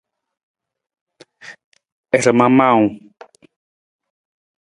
Rama muuwung.